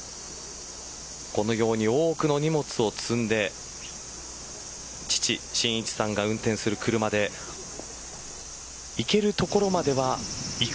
このように多くの荷物を積んで父、シンイチさんが運転する車で行け所までは行く。